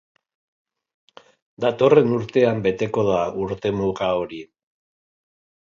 Datorren urtean beteko da urtemuga hori.